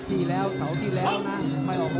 นี่คือยอดมวยแท้รักที่ตรงนี้ครับ